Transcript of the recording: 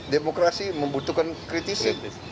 demokrasi membutuhkan kritisi